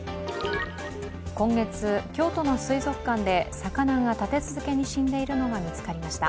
今月、京都の水族館で魚が立て続けに死んでいるのが見つかりました。